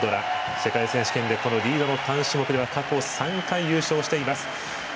世界選手権でこのリード、単種目で過去３回優勝しています。